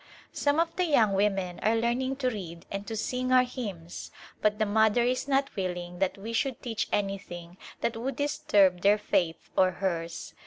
Some of the young women are learning to read and to sing our hymns, but the mother is not willing that we should teach anything that would disturb their faith or hers.